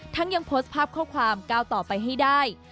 ยังโพสต์ภาพข้อความก้าวต่อไปให้ได้